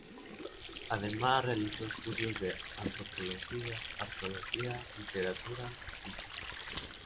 Además, realizó estudios de antropología, arqueología, literatura y física.